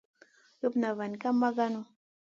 Loɓ ma vayd ka maganou.